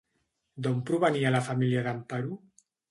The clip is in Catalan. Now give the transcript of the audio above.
D'on provenia la família d'Amparo?